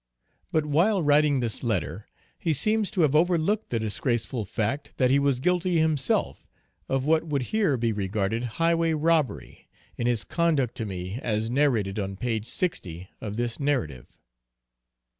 But while writing this letter he seems to have overlooked the disgraceful fact that he was guilty himself of what would here be regarded highway robbery, in his conduct to me as narrated on page 60 of this narrative.